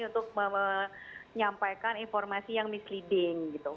untuk menyampaikan informasi yang misleading